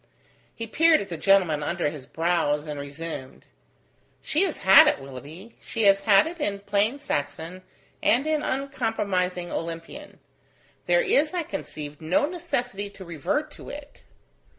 He peered at the gentleman under his brows, and resumed: "She has had it, Willoughby; she has had it in plain Saxon and in uncompromising Olympian. There is, I conceive, no necessity to revert to it."